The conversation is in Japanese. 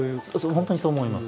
本当にそう思います。